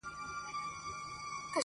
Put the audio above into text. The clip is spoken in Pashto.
پر ټول جهان دا ټپه پورته ښه ده_